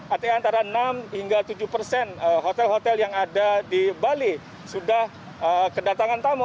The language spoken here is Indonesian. artinya antara enam hingga tujuh persen hotel hotel yang ada di bali sudah kedatangan tamu